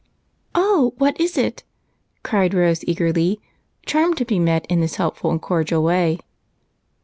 " Oh, what is it ?" cried Rose eagerly, charmed to be met in this heljDful and cordial way.